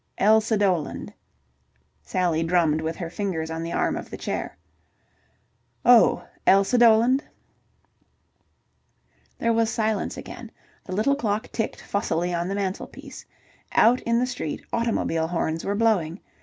"Elsa Doland." Sally drummed with her fingers on the arm of the chair. "Oh, Elsa Doland?" There was silence again. The little clock ticked fussily on the mantelpiece. Out in the street automobile horns were blowing.